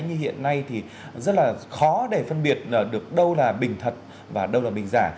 như hiện nay thì rất là khó để phân biệt được đâu là bình thật và đâu là bình giả